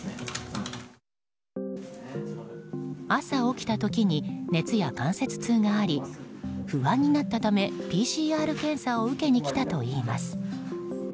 朝、起きた時に熱や関節痛があり不安になったためＰＣＲ検査を受けに来たといいます。